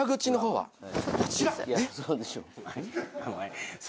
そうでしょう。